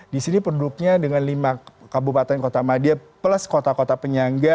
di sini penduduknya dengan lima kabupaten kota madia plus kota kota penyangga